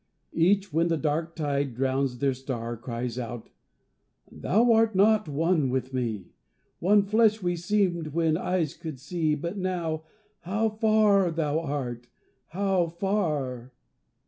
Each when the dark tide drowns their star, Cries out, "Thou art not one with me: One flesh we seemed when eyes could see, But now, how far thou art! How far!"